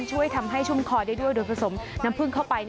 ช่วยทำให้ชุ่มคอได้ด้วยโดยผสมน้ำผึ้งเข้าไป